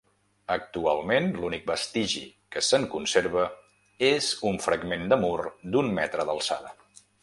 Actualment, l'únic vestigi que se'n conserva és un fragment de mur d'un metre d'alçada.